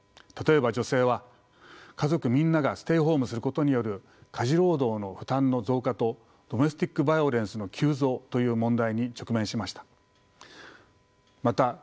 例えば女性は家族みんながステイホームすることによる家事労働の負担の増加とドメスティック・バイオレンスの急増という問題に直面しました。